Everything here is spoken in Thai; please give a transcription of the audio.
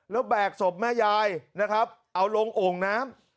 แล้วแบกศพแม่ยายนะครับเอาลงโอ่งน้ำ